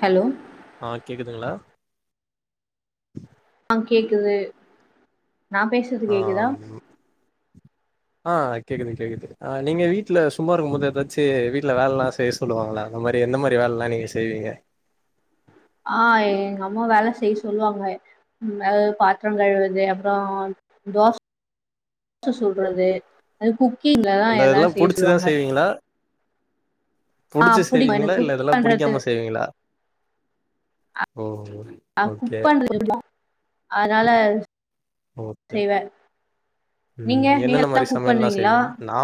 Hello ஆ கேக்குதுங்களா ஆ கேக்குது நா பேசுறது ஆ கேக்குதா ஆ கேக்குது கேக்குது ஆ நீங்க வீட்டுல சும்மா இருக்கும் போது ஏதாச்சு வீட்டுல வேலலா செய்ய சொல்லுவாங்களா அந்த மாரி எந்த மாரி வேலைலா நீங்க செய்வீங்க ஆ எங்க அம்மா வேல செய்ய சொல்லுவாங்க ஆ பாத்திரோ கழுவுறது அப்பறோ தோச சுட்றது அதுகூ அந்த இதெல்லா புடிச்சுதா செய்வீங்களா ஆ புடிச்சு புடிக்கு செய்வீங்களா எனக்கு குக் இல்ல இதெல்லா பண்றது புடிக்காம செய்வீங்களா ஓ கே ஆ குக் [unintelligible] அதனால ஓ கே செய்வே உ நீங்க என்னென்ன நீங்கல்லா மாரி குக் சமையல்லா பண்ணுவீங்களா செய்வீங்க நா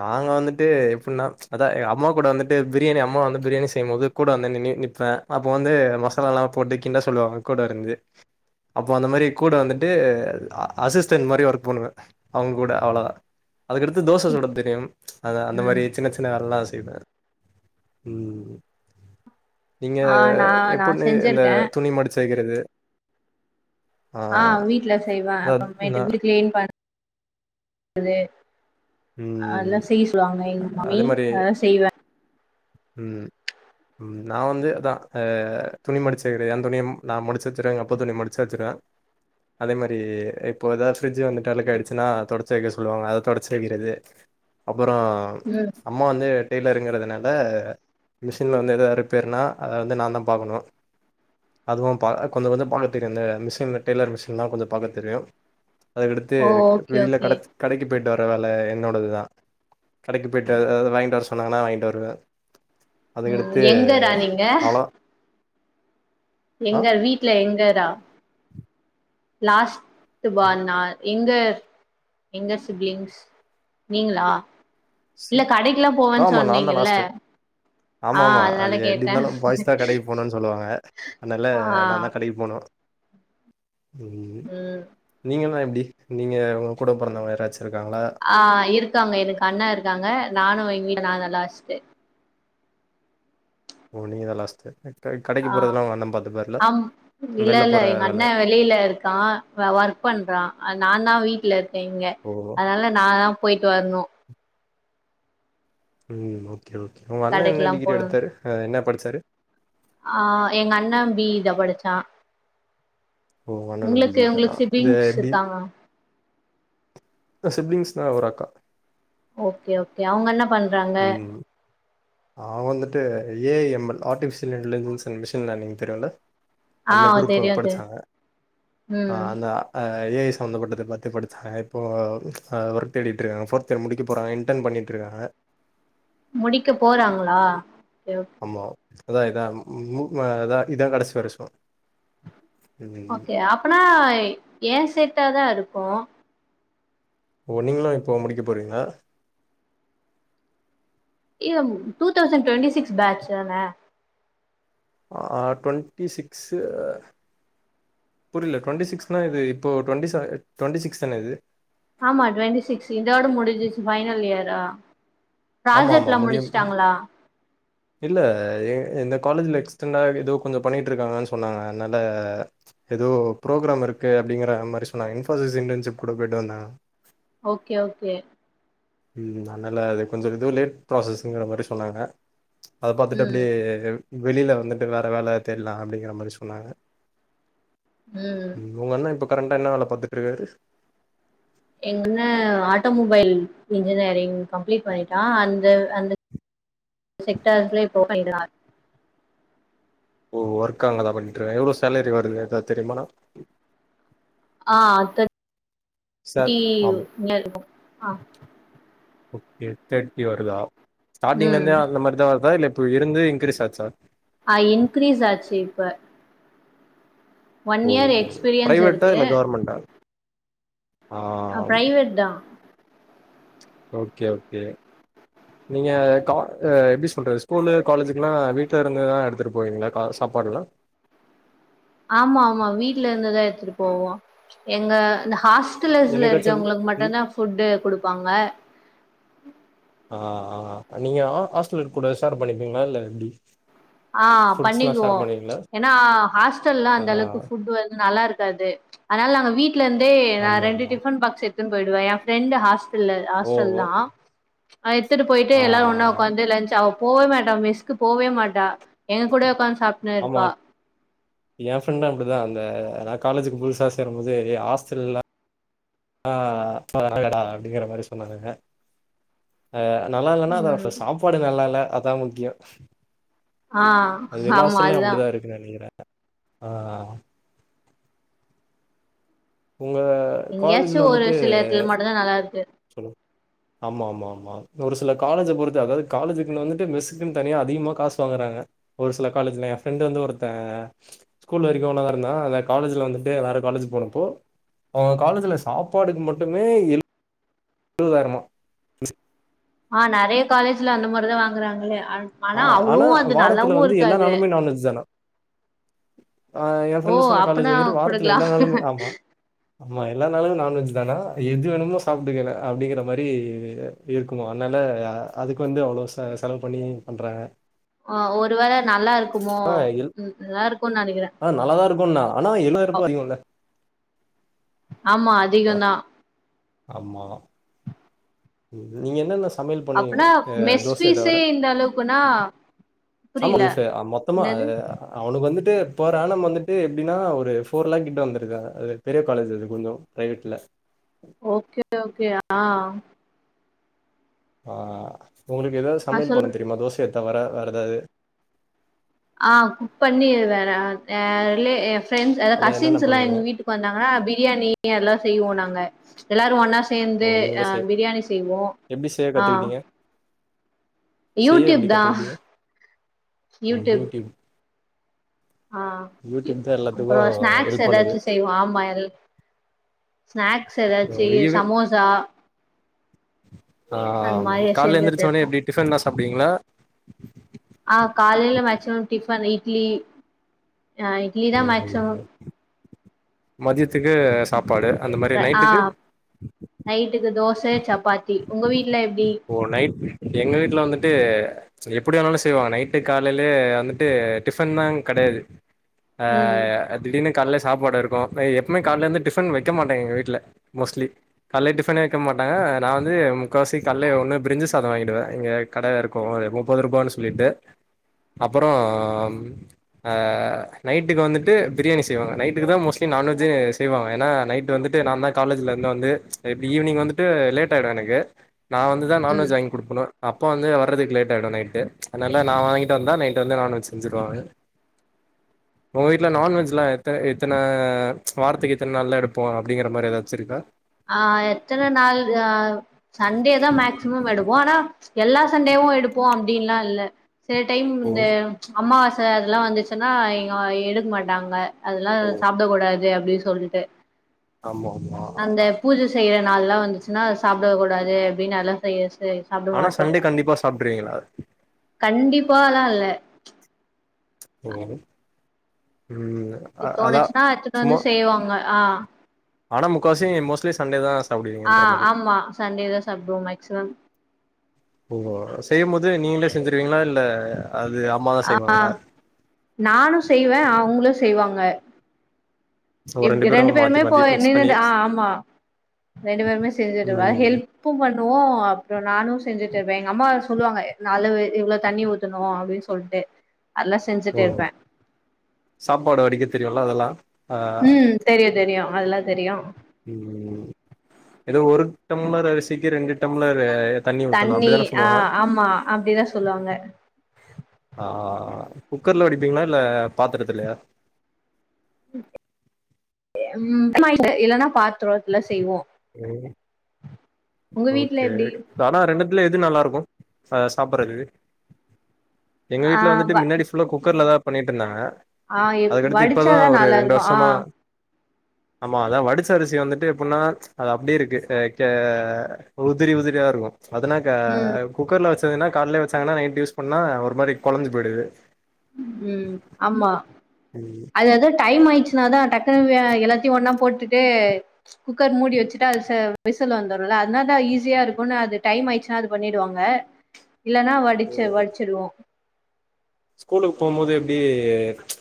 நாங்க வந்துட்டு எப்பின்னா அதா எ அம்மா கூட வந்துட்டு பிரியாணி அம்மா வந்து பிரியாணி செய்யும்போது கூட வந்து நி நி நிப்பே அப்போ வந்து மசால எல்லா போட்டு கிண்ட சொல்லுவாங்க கூட இருந்து அப்போ அந்த மாரி கூட வந்துட்டு அஸிஸ் [inaudible] மாதிரி ஒர்க் பண்ணுவ அவங்க கூட அவ்ளதா அதுக்கடுத்து தோச சுட தெரியு அதா அந்த மாரி ம் சின்ன சின்ன வேலலா செய்வே உ நீங்க ஆ நா நா [unintelligible] இந்த செஞ்சிருக்கே துணி மடுச்சுவைக்கிறது ஆ வீட்ல செய்வே அதாது அப்பம் நான் இந்த நா வீடு கிளீன் அது ம் அதெல்லாம் செய்ய சொல்லுவாங்க எங்க மம்மி அதான் செய்வேன் ம்ம் நான் வந்து அதான் அ துணி மடிச்சு வைக்கிறது என் துணியை நான் மடிச்சு வச்சருவேன் எங்க அப்பா துணி மடிச்ச வச்சிருருவேன் அதே மாதிரி இப்போ ஏதாச்சு ஃப்ரிட்ஜ் வந்துட்டு அழுக்க ஆயிடுச்சுன்னா தொடச்சி வைக்க சொல்லுவாங்க அதை தொடச்ச கிறது அப்புறம் ம் அம்மா வந்து டெய்லருங்கிறதுனால மிஷின்ல வந்து எதாவது ரிப்பேர்னா அதை வந்து நான் தான் பார்க்கணும் அதுவும் பா கொஞ்சம் கொஞ்சம் பார்க்க தெரியும் இந்த மிஷின்ல டெய்லர் மிஷின்லாம் கொஞ்சம் பார்க்க தெரியும் அதுக்கடுத்து ஓ ஓகே வெளியில ஓகே கடை கடைக்கு போய்ட்ட வேலை என்னோடது தான் கடைக்கு தவறுல்லாம் என்னோடது தான் கடைக்கு போய்ட்டு வாங்கிட்டு வர சொன்னாங்கன்னா வாங்கிட்டு வருவேன் உம் எங்கடா நீங்க அவ்ளோ ஆ எங்க வீட்டு்ல எங்க லாஸ்ட் அ வாழ்நாள்லே எங்க -எங்க சிப்லிங்ஸ் நீங்களா சி இல்ல கடைக்குல்லாம் போவேன்னு ஆமா நான்தா சொன்னீங்கல்ல லாஸ்ட்டு ஆ ஆமா ஆமா அது அதனால எப்டி கேட்டே இருந்தாலும் பாய்ஸ் தான் கடைக்கு போணும்ன்னு சொல்லுவாங்க அதனால ஆ நான் தான் கடைக்கு போணும் ம் நீங்க நீங்க உங்க கூட பொறந்தவங்க யாராச்சு இருக்காங்களா ஆஹ் இருக்காங்க எனக்கு அண்ணா இருக் இருக்காங்க நானும் எங்க வீட்ல நான் தான் லாஸ்ட் ஓ நீங்க தான் லாஸ்ட்டு கடைக்கு ஆஹ் போறதெல்லா உங்க அண்ண பாத்துப்பாருல ஆம் இல்ல வெள்ல - இல்ல போற எங்க வேல அண்ணன் வெளியில இருக்கான் ஒர்க் பண்றான் நான தான் வீட்டுல இருக்கேன் இங்க ஓ அதனால நான் தான் போய்ட்டு வர்ணும் ம் ஓகே ஓகே ஓகே உங்க அண்ணே என்ன கடைக்குலா டிகிரி எடுத்தரு என்ன படிச்சாரு அஹ் எங்க அண்ணே பி ஈ தான் படிச்சான் ஓ உங்க அண்ணனு பி ஜி உங்களுக்கு தானா உங்களுக்கு அது சிபீலிங்ஸ் எப்டி இருக்காங்களா சிப்லிங்ஸ்னா ஒரு அக்கா ஓகே ஓகே அவங்க என்ன பண்றாங்க ம் அவங்க வந்துட்டு ஏஎம்ல் artificial intelligence and machine learning தெரியும்ல ஆ அந்த குரூப்ப தெரியு தெரியு படிச்சாங்க ஆ ம் அந்த அ அ ஏ ஐ சம்மந்தப்பட்டத பாத்து படுச்சாங்க இப்போ அ ஒர்க் தேடிட்ருக்காங்க ஃபோர்த் இயர் முடிக்க போறாங்க இன்டர்ன் பண்ணிட்ருக்காங்க முடிக்க போறாங்களா? ஓகே ஆமா இதா இதா ம் ம் அ இதா இதா கடைசி வருஷொ ஓகே அப்பனா ஏ செட்டாதா இரு க்கு ஓ நீங்களு இப்போ முடிக்க போறீங்ளா? இல்லம் two thousand twenty six batch தான ஆ ட்வெண்ட்டி சிக்ஸு புரில ட்வெண்ட்டி சிக்ஸ்னா இது இப்போ ட்வெண்டி சவ ட்வெண்ட்டி சிக்ஸ் தானே இது ஆமா ட்வெண்ட்டி சிக்ஸ் இதோட முடிஞ்சிச்சு ஃபைனல் இயரா ஆமாமா ப்ராஜெக்ட்லா முடியும் ம் முடிச்சுட்டாங்களா இல்ல ஏ இந்த காலேஜ்ல எக்ஸ்டெண்டா எதோ கொஞ்ச பண்ணிட்ருக்காங்கன் சொன்னாங்க அன்னால எதோ ப்ரோக்ராம் இருக்கு அப்டிங்கிற மாரி சொன்னாங்க இன்ஃபோசிஸ் இன்டர்ன்ஷிப் கூட போய்ட்டு வந்தாங்க ஓகே ஓகே ம் அன்னால இது கொஞ்ச இதுவு லேட் ப்ராசஸங்குற மாரி சொன்னாங்க அத பாத்துட்டு ம் அப்டியே வெளில வந்துட்டு வேற வேல தேட்லா அப்டிங்கிற மாரி சொன்னாங்க ம் உங்கண்ண இப்ப கரண்ட்டா என்ன வேல பாத்துட்ருக்காரு எங்கண்ண ஆட்டோமொபைல் இன்ஜினியரிங் கம்ப்ளீட் பண்ணிட்டா அந்த அந்த செக்டாஸ்ல இப்ப [unintelligible] ஓ ஒர்க் அங்கதா பண்ணிட்ருக்க எவ்ளோ சேலரி வருது எதா தெரிமா ஆ தர் சார் ட்டி ஆம் நியர் இக்கு ஆ ஓகே தேட்டி வருதா ம் ஸ்டாட்டிங்லந்தே அந்த மாரிதா வருதா இல்ல இப் ப இருந்து இன்கிரீஸ் ஆச்சா? அ இன்கிரீஸ் ஆச்சு இப்ப ஒன் ஓ இயர் எக்ஸ்பீரியன்ஸ் பிரைவேட்டா இருக்கு இல்ல கவர்மெண்ட்டா? அ பிரைவேட் தா ஓகே ஓகே நீங்க கா அ எப்டி சொல்றது ஸ்கூலு காலேஜுக்குலா வீட்லருந்துதா எடுத்துட்டு போவீங்ளா கா சாப்பாடுல்லா ஆமா ஆமா வீட்லருந்துதா எத்துட்டு போவோ எங்க இந்த ஹாஸ் டலஸ்ல என்னைக்காச்சு இருக்கவங்ளுகு ம் மட்டுந்தா ஃபுட்டு குடுப்பாங்க ஆ ஆ நீங்க அ ஹாஸ்டலர் கூட சேர் பண்ணிப்பீங்களா இல்ல எப்டி ஆ ஃபுட்ஸ்ல்லா ஷேர் பண்ணிக்குவோம் பண்ணுவீங்களா எனா ஹாஸ்டல்ல ஆ அந்த அளவுக்கு புட் வந்து நல்லாருக் காது அதுனால நாங்க வீட் லந்தே நா ஆமா ரெண்டு ஆமா டிபன் பாக்ஸ் எடுத் துன் போய்டுவே ஏ ஃபிரெண்டு ஹாஸ் துள்ள ஓ ஹாஸ்டல் ஓ தா அத எத்துட்டு போயிட்டு ஆ எல்லாரும் ஒன்ன ஆ ஒக்காந்து லன்ச் சாப் போவே மாட்டா மெஸ்க்கு போவே மாட்டா எங்க கூட ஒக்காந் சாப்டுன் இருபா ஏ ஃபிரெண்ட்டு அப்டிதா இந்த அத காலேஜ்க்கு புதுசா சேரும் போது ஹாஸ்டல்லா ஆ வரதடா அப்டிங்ற மாரி சொன்னானுங்க அ நல்லா இல்லனா ம் அத சாப்பாடு நல்லால்ல அதா முக்கியோம் ஆ ஆமா அதுதா இருக்குன்னு நெனைக்கிறே ஆ உங்க காலேஜ்ல எங்கேயாச்சும் ஒரு வந்துட்டு சில எடத்துல மட்டுந்தா நல்லாருக்கு சொல்லுங்க ஆமா ஆமா ஆமா ஒரு சில காலேஜ பொறுத்து அதாவுது காலேஜுக்குள்ள வந்துட்டு மெஸ்ஸுக்குன் தனியா அதிகமா காசு வாங்குறாங்க ஒரு சில காலேஜ்ல ஏ ஃபிரெண்டு வந்து ஒருத்தே ஸ்கூல்ல வரைக்கும் ஒதான் இருந்தா அந்த காலேஜ்ல வந்துட்டு வேற காலேஜூக்கு போறப்போ அவுங்க காலேஜ்ல சாப்பாடுக்கு மட்டுமே ஏழ் ஏழுவதாயிரமா ஆ நெறைய காலேஜ்ல அந்த மாரிதான் வாங்குறாங்களே ஆ ஆனா அவ்ளவு அது நல்லாவு வாரத்துல வந்து எல்லா இருக்காது நாளுமே நான்வெஜ் தனா ஆ ஏ ஓ ஃப்ரெண்ட் சொன்ன காலேஜ் அப்பனா வந்துட்டு வாரத்துல குடுக்கலா எல்லா நாளுமே ஆமா ஆமா எல்லா நாளு நான்வெஜ் தனா எது வேணுமோ சாப்டுக்கல அப்டிங்கிற மாரி இருக்குமா அதுனால அதுக்கு வந்து அவ்ளோ செலவு பண்ணி பன்றே ஒரு வேள நல்லருக்குமோ எல் நல்லாருக் ஆ நல்லாதா இருக்குண்ணா ஆனா எழுவதாயர்வா அதிகம் இல்ல ஆமா அதிகோ தான் ஆமா நீங்க என்ன என்ன சொ சமையல் பண்ணுவீங்க அப்பனா மெஸ் தோசைய தவுர ஃபீஸே இந்த அளவுக்குன்னா அமா புரியல அது ச மொத்தமா என்னது அவனுக்கு வந்து போற ஆணம் வந்துட்டு எப்பிடின்னா ஒரு போர் லேக் கிட்ட வந்துருது அது பெரிய காலேஜ் அது கொஞ்ச பிரைவேட்ல ஓகே ஓகே ஆ ஆ ஒங்களுக்கு எதாவது ஆ சமயல் சொல்லு பன்ன தெரியுமா தோசை தவற வேற ஏதாவது ஆ குக் பண்ணி வேற ஆ அதிலே எ பிரெண்ட்ஸ் அதா அத என்னென்ன கசின்ஸ் எல்லா பண்ணுவீங்க? எங்க வீட்டுக்கு வந்தாங்கன்னா பிரியாணி அதெல்லா செய்வோ நாங்க எல்லாரு ஒன்னா சே ஓ! சேந்து நீங்களே ஆ செய் பிரியாணி செய்வோ எப்படி செய்ய ஆ கத்துக்கிட்டீங்க? செய்ய யூடியூப் எப்படி தா கத்துக்கிட்டீங்க? - யூடியூப் ஆ யூடியூப் தான் அப்றோ எல்லாத்துக்கும் ஸ்நாக்ஸ் ஹெல்ப் பண்ணுது. ஏதாச்சு செய்வோ ஆமா எ ஸ்நாக்ஸ் ஏதாச்சு செய் வெளியவே சமோசா ஆ அந்த மாரி கால்ல செஞ்சுட்டு எந்திரச்ச உனே இருப்போ எப்டி டிஃபன்தா சா அப்டிங்ளா ஆ காலேயில மேச்சிமம் டி அந்த இட்லி ஆ இட்லி தா ம், மேக்சிமம் ம். மதியத்துக்கு சாப்பாடு அந்த மாதிரி நைட்டுக்கு து சப்பாத்தி உங்க வீட்டு ஓ நைட் எங்க வீட்ல வந்துட்டு எப்டி வேணாலு செய்வாங்க நைட்டு காலேயில வந்துட்டு டிஃபன் தா கெடயாது ம் அ திடீர்னு கலேல சாப்பாடு இருக்கு எப்பவுமே காலேல இருந்து டிஃபன் வக்க மாட்டங்க எங்க வீட்ல மோஷ்ட்லி கால டிஃபனே வக்க மாட்டாங்க நா வந்து முக்காவாசி கல்லையே ஒன்னு பிரிஞ்சு சாதோ வாங்கிடுவே இங்க கடை இருக்கு முப்பது ரூபனு சொல்லிட்டு அப்பறோ ஆ நைட்டுக்கு வந்துட்டு பிரியாணி செய்வாங்க நைட்டுக்கு தா மோஸ்ட்லி நான் வெஜ்ஜே செய்வாங்க ஏனா நைட்டு வந்துட்டு நா தா காலேஜ்லேருந்து வந்து இப்டி ஈவினிங் வந்துட்டு லேட் ஆகிடு எனக்கு நா வந்துதா ம் நான்வெஜ்ஜு வாங்கி குடுக்கனு அப்பா வந்து வர்றதுக்கு லேட் ஆகிடு நைட்டு அதனால் நா வாங்கிட்டு வந்து தா நைட்டு வந்து நான்வெஜ் செஞ்சுருவாங்க உங்க வீட்ல நான்வெஜ்லா எத்தன எத்தன வாரத்துக்கு எத்தன நாளா எடுப்போ அப்டிங்கிற மாதிரி ஏதாச்சு இருக்கா ஆ எத்தன நாள் ஆ சண்டே தா மேக்ஸிமம் எடுப்போ ஆனா எல்லா சண்டேயு எடுப்போ அப் அப்பிடின்ல்லா இல்ல சில டைம் ஓ இந்த அம்மாவச ச அதெல்லா வந்துச்சுன்னா இங்க எடுக்க மாட்டாங்க அதெல்லா சாப்பிடக் கூடாது அப்பிடி சொல்ட்டு ஆமா ஆமா நாள்லா வந்துச்சின்னா சாப்பிட கூடாது அப்பிடின் நலா செய்ய சொ து சாப்பிட ஆனா மாட்டோ சண்டே கண்டிப்பா சாப்ட்ருவீங்களா கண்டிப்பாலா இல்ல [inaudible] இ அதா தோணுச்சுன்னா எடுத்துட்டு சும்மா வந்து செய்வாங்க ஆ ஆனா முக்காசி மோஸ்ட்லி சண்டேதா ஆ ஆமா சண்டேதா சாப்பிடுவோ மேக்சிமம் ஓ செய்யும்போது நீங்களே செஞ்சிருவீங்களா இல்ல அது அம்மாதா ஆ செய்வாங்களா நானு செய்வே அவங்களு செய்வாங்க ஒரு ப் பேரு ரெண்டு மாத்தி பேருமே போ மாத்தி மிக்ஸ் பண்ணி நின்னுட் ஆ ஆமா ரெண்டு பேருமே செஞ்சுட்டு ம் ஹெல்ப்பு பண் னுவோ அப்புறோ நானு செஞ்சுட்டு இருப்பே எங்க அம்மா சொல்லுவாங்க நளவு இவ்ளோ தண்ணி ஊத்தனு அப்பிடின் சொல்ட்டு அதெல்லா ஓ செஞ்சுட்டு இருப்பே சாப்பாடு வடிக்க தெரியு அதெல்லா ஆ ம் தெரியு தெரியு அதெல்லா தெரியு ம் ஏதோ ஒரு டம்ளர் அரிசிக்கு ரெண்டு டம்ளரு தண்ணி ஆ ஆமா அப்பிடிதா சொல்லுவாங்க ஆ குக்கர்ல வடிப்பீங்களா இல்ல பாத்திரதுல்லயா ம் [unintelligible] இல்லன்னா பாத்துரோதல்லா செய்வோ ம் உங்க வீட்ல ஓகே எப்டி ஆனா ரெண்டு இல்ல எது நல்லா இருக்கு அ சாப்பறதுக்கு எங்க ஆ வீட்ல வந்துட்டு வ- மின்னாடி ஃபுல்லா குக்கர்லதா பண்ணிட்டு இருந்தாங்க ஆ எப் அதுக்கடுத்து இப்பதா வடிச்சாதா ஒரு நல்லா ரெண்டு இருக்கு ஆ வருஷமா ஆமா அதா வடிசரிசி வந்துட்டு எப்பின்னா அது அப்பிடியே இருக்கு எ கே உதிரி உதிரியா இருக்கு அஅதனாக்க ம் குக்கர்ல வச் உனா காலேய வச்சாங்கன்னா நை் யூஸ் பண்ணா ஒரு மாதி குழஞ்சு போயிடுது உ ஆமா உ அது ஏதோ டைம் ஆய்ச்சுனா தா டக்குனு எல்லாத்தையு ஒன்னா போட்டுட்டு குக்கர் மூடி வச்சுட்டா அது விசில் வந்துரும்ல அதனால தா ஈஸியா இருக்கும்னு அது டைம் ஆயிடுச்சுனா அது பண்ணிடுவாங்க இல்லன்னா வடிச்ச வடிச்சிடுவோ ஸ்கூலுக்கு போம் போது எப்டி ச்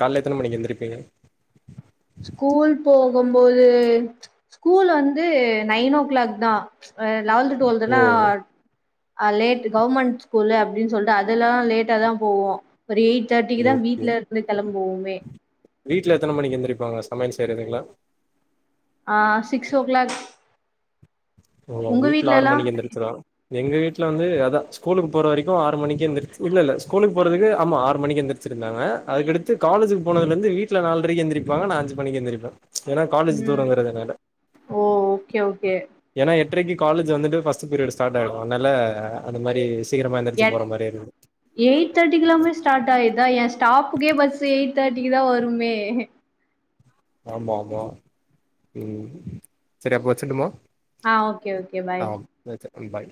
கால்ல எத்தன மணிக்கு எந்திருப்பீங்க ஸ்கூல் போகும்போது ஸ்கூல் வந்து நைன் ஓ கிளாக் தா ஆ லெவல்த் ஓ டுவெல்துலா அ லேட் கவுவர்மெண்ட் ஸ்கூல்லு அப்படன்னு சொல்லிட்டு அதுல்லா லேட்டா தா போவோ ஒரு எயிட் தேர்ட்டிக்கு தா ஓகே வீட்டு்ல இருந்து கிளம்புவோமே ட்ல எத்தன மணிக்கு எந்திரிப்பாங்க சமயல் செய்றதுக்களா ஆ சிக்ஸ் ஓ கிளாக் ஒ உங்க வீட்டுல வீட்ல ஆறு எல்லாம் மணிக்கு எந்திரிச்சுரோ எங்க வீட்டுல வந்து அதா ஸ்கூலுக்கு போற வரைக்கு ஆறு மணி எந்திரச்சு இல்ல ஸ்கூலுக்கு போறதுக்கு ஆமா ஆறு மணி எந்திரச்சிருந்தாங்க அதுக்கடுத்து காலேஜு போனதுல இருந்து வீட்டுல நாலுரைக்கு எந்திரிப்பாங்க ந அஞ்சு மணிக்கு எந்திரிப்பே ஏன்னா காலேஜ் உ தூரங்கிறதுனால ஓ ஓகே ஓகே ஏன்னா எட்டரைக்கு காலேஜ் வந்துட்டு ஃபஸ்ட் பீரியட் ஸ்டார்ட் ஆகிடு அதனால அது மாரி சீக்கிரமா எந்திரிச்சு எட் போற மாரி இருக்கு எயிட் தேட்டிக்கு எல்லாமே ஸ்டார்ட் ஆய்தா எ ஸ்டாப்புக்கே பஸ் எயிட் தேட்டிக்கு தா வருமே ஆமா ஆமா உ சரி அப்ப வச்சட்டுமா ஆ ஓகே ஓகே பாய் அ பாய்